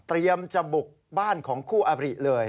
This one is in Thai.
เตรียมจะบุกบ้านของคู่อบริเลย